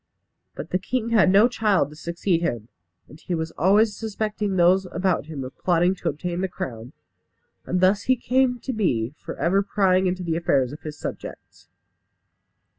But the king had no child to succeed him; and he was always suspecting those about him of plotting to obtain the crown, and thus he came to be for ever prying into the affairs of his subjects.